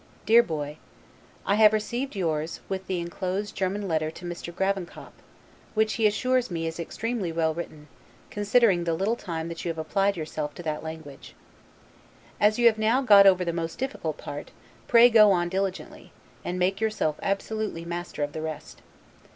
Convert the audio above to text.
DEAR BOY: I have received yours, with the inclosed German letter to Mr. Gravenkop, which he assures me is extremely well written, considering the little time that you have applied yourself to that language. As you have now got over the most difficult part, pray go on diligently, and make yourself absolutely master of the rest.